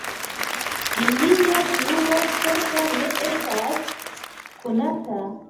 Ilia plua sorto ne estas konata.